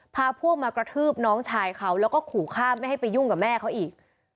พาพวกมากระทืบน้องชายเขาแล้วก็ขู่ฆ่าไม่ให้ไปยุ่งกับแม่เขาอีก